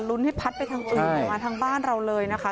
ลุ้นให้พัดไปทางตรงนี้ออกมาทางบ้านเราเลยนะคะ